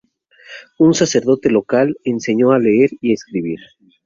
Un sacerdote local le enseñó a leer y escribir.